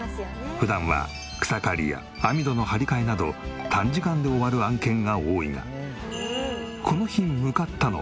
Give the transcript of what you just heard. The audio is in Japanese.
普段は草刈りや網戸の張り替えなど短時間で終わる案件が多いがこの日向かったのは。